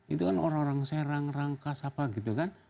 itu kan orang orang serang rangkas apa gitu kan